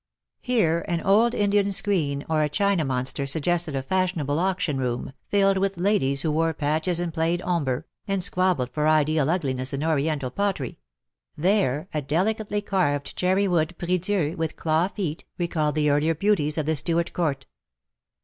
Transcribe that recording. Here an old Indian screen or a china monster suggested a fashionable auction room, filled with ladies who wore patches and played ombre, and squabbled for ideal ugliness in THE DAYS THAT ARE NO MORE. 15 Oriental pottery ; there a delicately carved cherry wood prie dieu, with claw feet^ recalled the earlier beauties of the Stuart Court.